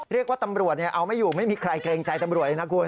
เรียกว่าตำรวจเอาไม่อยู่ไม่มีใครเกรงใจตำรวจเลยนะคุณ